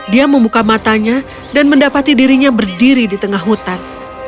dia membuka matanya dan mendapati dirinya berdiri di tengah hutan